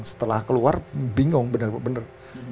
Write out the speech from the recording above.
setelah keluar bingung bener bener